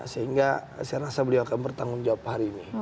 sehingga saya rasa beliau akan bertanggung jawab hari ini